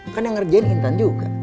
kan yang ngerjain intan juga